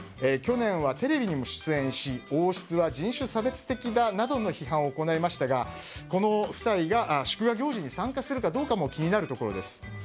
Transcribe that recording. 去年はテレビにも出演し王室は人種差別的だという批判を行いましたが、この夫妻が祝賀行事に参加するかどうかも気になるところです。